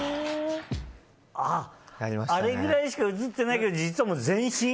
あれぐらいしか映ってないけど実は全身？